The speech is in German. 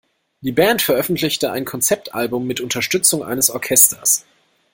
Die Band veröffentlichte ein Konzeptalbum mit Unterstützung eines Orchesters.